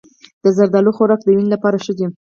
د زردالو خوراک د وینې لپاره ښه دی.